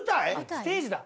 ステージだ。